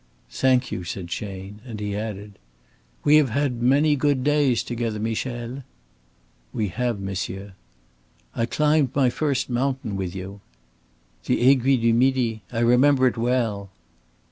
"Thank you," said Chayne, and he added: "We have had many good days together, Michel." "We have, monsieur." "I climbed my first mountain with you." "The Aiguille du Midi. I remember it well."